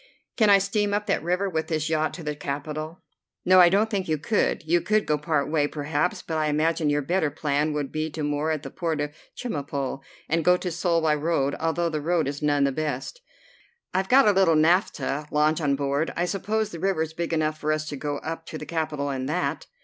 "Can I steam up that river with this yacht to the capital?" "No, I don't think you could. You could go part way, perhaps, but I imagine your better plan would be to moor at the port of Chemulpo and go to Seoul by road, although the road is none of the best." "I've got a little naphtha launch on board. I suppose the river is big enough for us to go up to the capital in that?"